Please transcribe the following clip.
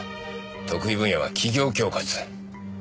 得意分野は企業恐喝。だよな？